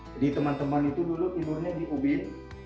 jadi teman teman itu dulu tidurnya di ubin